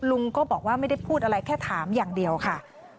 ลุงก็บอกว่าไม่ได้พูดอะไรแค่ถามอย่างเดียวค่ะ